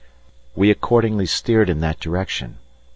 We accordingly steered in that direction.